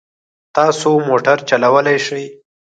تاسو موټر چلولای شئ؟